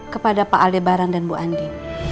kepada pak aldebaran dan bu andi